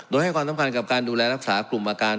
โดยให้ความสำคัญกับการดูแลรักษากลุ่มอาการ